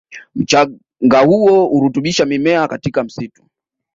Mchanga huo hurutubisha mimea katika msitu